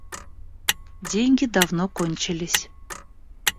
Деньги давно кончились.